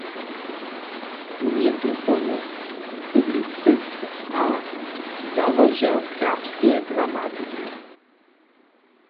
Wón je duchowny, publicist a załožer serbskeje dramatiki.